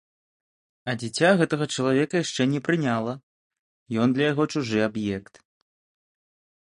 А дзіця гэтага чалавека яшчэ не прыняла, ён для яго чужы аб'ект.